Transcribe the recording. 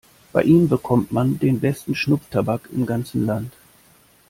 Bei ihm bekommt man den besten Schnupftabak im ganzen Land.